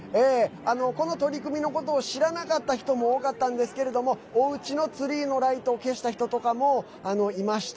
この取り組みのことを知らなかった人も多かったんですけれどもおうちのツリーのライトを消した人とかもいました。